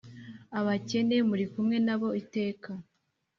Abakene muri kumwe na bo iteka